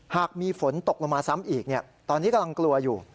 หากมีฝนตกลงมาซ้ำอีกตอนนี้กำลังกลัวอยู่